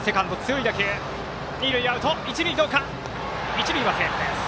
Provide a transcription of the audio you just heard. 一塁はセーフです。